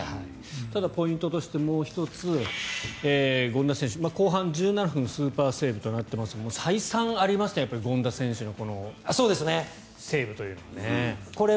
ただ、ポイントとしてもう１つ、権田選手後半１７分、スーパーセーブとなっていますが再三ありましたね、権田選手のセーブというのは。